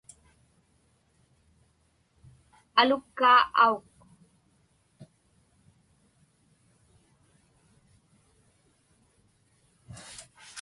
Alukkaa auk.